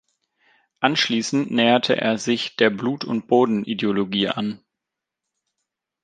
Anschließend näherte er sich der Blut-und-Boden-Ideologie an.